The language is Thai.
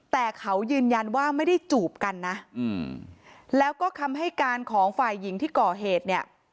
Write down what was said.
แต่เขายืนยันว่าไม่ได้จูบกันนะแล้วก็คำให้การของฝ่ายหญิงที่ก่อเหตุเนี่ย